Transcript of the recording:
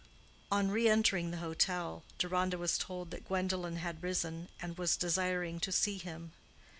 On re entering the hotel, Deronda was told that Gwendolen had risen, and was desiring to see him.